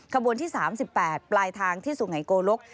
ขบวนที่๓๘ปลายทางที่สุไงโกลก